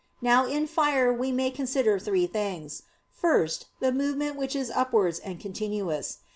Now in fire we may consider three things. First, the movement which is upwards and continuous.